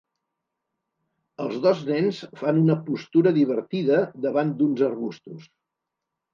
Els dos nens fan una postura divertida davant d'uns arbustos.